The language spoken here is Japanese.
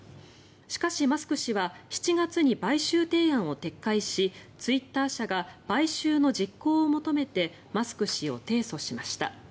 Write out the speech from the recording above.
しかし、マスク氏は７月に買収提案を撤回しツイッター社が買収の実行を求めてマスク氏を提訴しました。